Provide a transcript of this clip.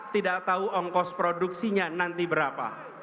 tidak tahu ongkos produksinya nanti berapa